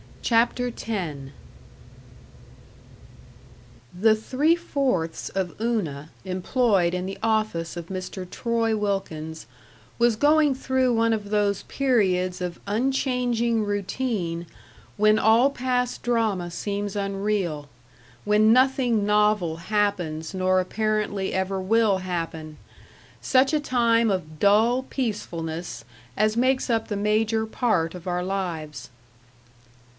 CHAPTER X The three fourths of Una employed in the office of Mr. Troy Wilkins was going through one of those periods of unchanging routine when all past drama seems unreal, when nothing novel happens nor apparently ever will happen such a time of dull peacefulness as makes up the major part of our lives.